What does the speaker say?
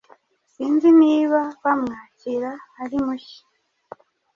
Sinzi niba bamwakira ari mushya